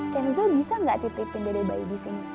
kenzo bisa gak titipin dade bayi disini